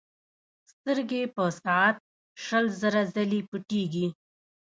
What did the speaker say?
سترګې په ساعت شل زره ځلې پټېږي.